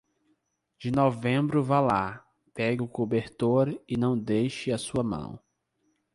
De novembro vá lá, pegue o cobertor e não deixe a sua mão.